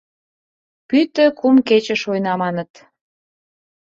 Пӱтӧ кум кече шуйна, маныт.